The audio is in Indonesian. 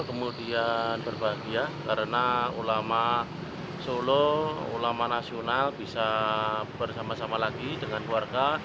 kemudian berbahagia karena ulama solo ulama nasional bisa bersama sama lagi dengan keluarga